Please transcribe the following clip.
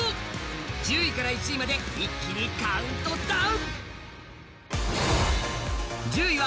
１０位から１位まで一気にカウントダウン！